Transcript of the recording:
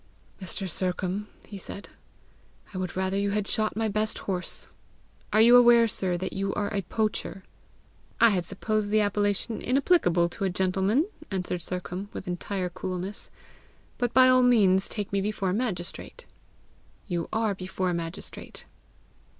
"Mr. Sercombe," he said, "I would rather you had shot my best horse! Are you aware, sir, that you are a poacher?" "I had supposed the appellation inapplicable to a gentleman!" answered Sercombe, with entire coolness. "But by all means take me before a magistrate." "You are before a magistrate."